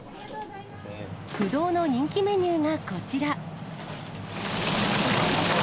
不動の人気メニューがこちら。